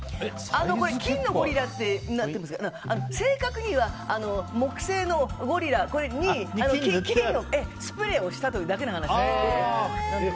金のゴリラってなってますけど正確には、木製のゴリラに金のスプレーをしたというだけの話です。